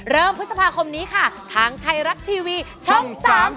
พฤษภาคมนี้ค่ะทางไทยรัฐทีวีช่อง๓๒